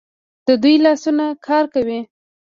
د دوی لاسونه کار کوي.